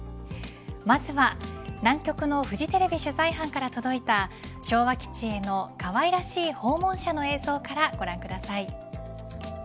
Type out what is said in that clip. まずは、南極のフジテレビ取材班から届いた昭和基地への可愛らしい訪問者の映像からご覧ください。